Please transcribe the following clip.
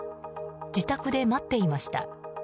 自宅で待っていました。